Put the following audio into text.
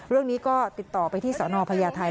เรื่องนี้ก็ติดต่อไปที่สนพญาไทย